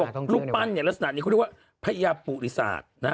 รูปปั้นเนี่ยลักษณะนี้เขาเรียกว่าพญาปุริศาสตร์นะฮะ